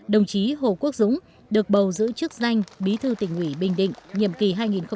đồng chí hồ quốc dũng được bầu giữ chức danh bí thư tỉnh ủy bình định nhiệm kỳ hai nghìn hai mươi hai nghìn hai mươi năm